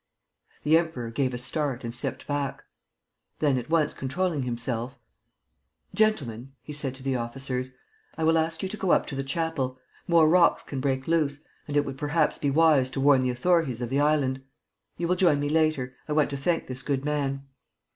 The Emperor gave a start and stepped back. Then, at once controlling himself: "Gentlemen," he said to the officers, "I will ask you to go up to the chapel. More rocks can break loose; and it would perhaps be wise to warn the authorities of the island. You will join me later. I want to thank this good man."